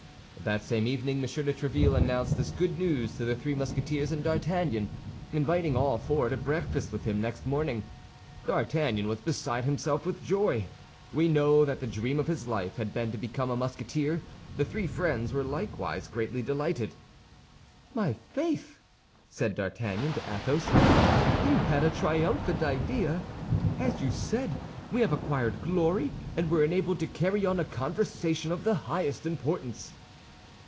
That same evening M. de Tréville announced this good news to the three Musketeers and D'Artagnan, inviting all four to breakfast with him next morning. D'Artagnan was beside himself with joy. We know that the dream of his life had been to become a Musketeer. The three friends were likewise greatly delighted. "My faith," said D'Artagnan to Athos, "you had a triumphant idea! As you said, we have acquired glory, and were enabled to carry on a conversation of the highest importance."